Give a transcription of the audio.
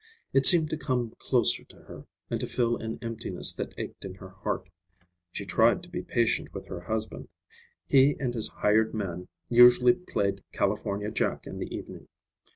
It seemed to come closer to her, and to fill an emptiness that ached in her heart. She tried to be patient with her husband. He and his hired man usually played California Jack in the evening.